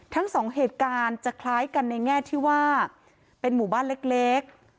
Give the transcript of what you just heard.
ทั้งสองเหตุการณ์จะคล้ายกันในแง่ที่ว่าเป็นหมู่บ้านเล็ก